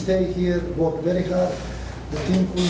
tim kusamania akan kembali ke perang kedua